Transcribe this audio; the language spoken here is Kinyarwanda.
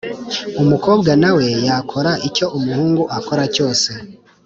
umukobwa na we yakora icyo umuhungu akora cyose